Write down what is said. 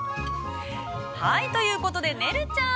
◆はい、ということで、ねるちゃん。